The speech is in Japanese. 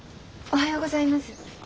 おはようございます。